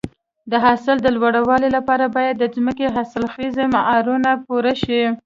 د حاصل د لوړوالي لپاره باید د ځمکې حاصلخیزي معیارونه پوره شي.